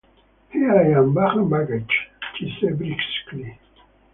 "Here I am, bag and baggage," she said briskly.